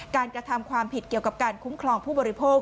กระทำความผิดเกี่ยวกับการคุ้มครองผู้บริโภค